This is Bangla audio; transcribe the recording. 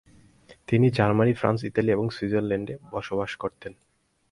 তিনি জার্মানি, ফ্রান্স, ইতালি এবং সুইজারল্যান্ডে বসবাস করতেন।